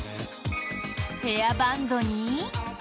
ヘアバンドに。